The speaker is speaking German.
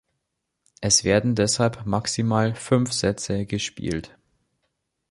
Es werden deshalb maximal fünf Sätze gespielt.